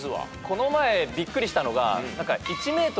この前びっくりしたのが。